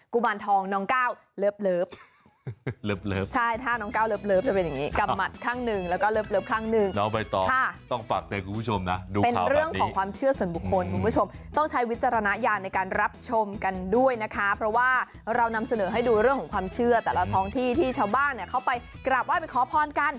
กุมารทองน้องก้าวเลิฟ